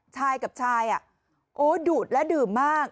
ชายกับชายโอ้ดูดและดื่มมาก